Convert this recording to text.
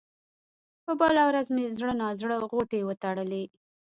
په بله ورځ مې زړه نا زړه غوټې وتړلې.